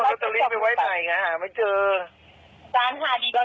ไปว่ายังไงอาหารไม่เจอเขาซื้อมาเยอะเกินซื้อมาจากอีสามสองต่ำ